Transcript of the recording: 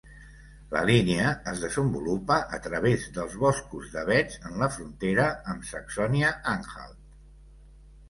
La línia es desenvolupa a través dels boscos d'avets en la frontera amb Saxònia-Anhalt.